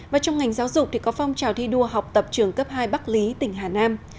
và trong ngành giáo dục thì có phong trào thi đua học tập trường cấp hai bắc lý tỉnh hà nam